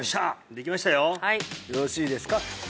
できましたよよろしいですか？